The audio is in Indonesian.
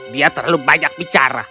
dia terlalu banyak bicara